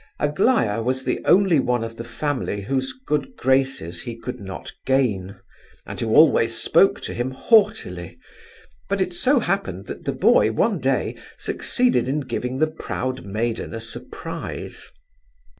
Aglaya was the only one of the family whose good graces he could not gain, and who always spoke to him haughtily, but it so happened that the boy one day succeeded in giving the proud maiden a surprise.